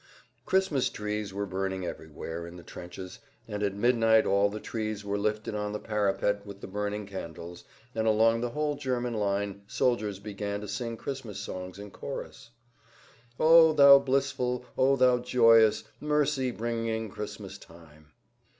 Christmas trees were burning everywhere in the trenches, and at midnight all the trees were lifted on to the parapet with their burning candles, and along the whole line German soldiers began to sing Christmas songs in chorus. "O, thou blissful, O, thou joyous, mercy bringing Christmas time!"